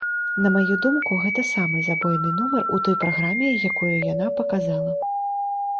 На маю думку, гэта самы забойны нумар у той праграме, якую яна паказала.